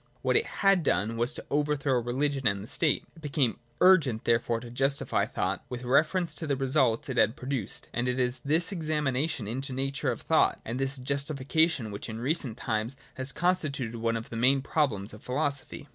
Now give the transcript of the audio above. What it had done, was to overthrow religion and the state. It became urgent therefore to justify thought, with reference to the results it had produced : and it is this examination into the nature of thought and this justification which in recent times has constituted one of the main problems of philosophy.